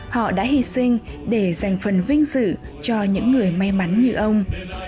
họ đã hy sinh để dành phần vinh dự cho những người may mắn như ông